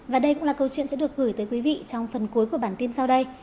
và đây cũng là câu chuyện sẽ được gửi tới quý vị trong phần cuối của bản tin sau đây